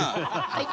はい。